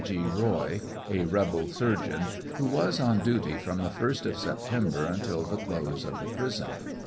G. Roy, a rebel surgeon, who was on duty from the 1st of September until the close of the prison.